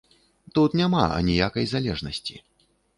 Тут няма аніякай залежнасці.